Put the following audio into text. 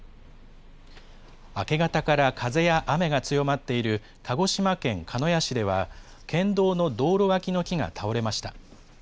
明け方から風や雨が強まっている鹿児島県鹿屋市では、県道の道路脇の木が倒れました。